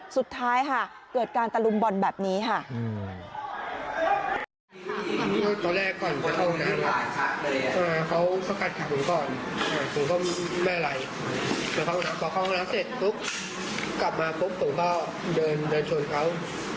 สุดท้ายค่ะเกิดการตะลุมบอลแบบนี้ค่ะ